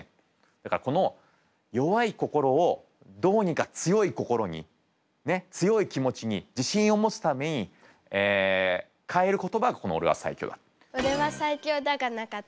だからこの弱い心をどうにか強い心にねっ強い気持ちに自信を持つために変える言葉がこの「オレは最強だ！」。